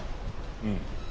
うん。